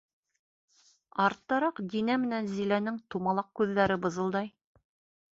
Арттараҡ Динә менән Зиләнең тумалаҡ күҙҙәре бызылдай.